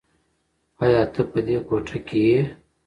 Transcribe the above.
ایا ته په دې کوټه کې یې؟